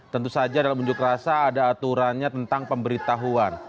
tentu saja dalam unjuk rasa ada aturannya tentang pemberitahuan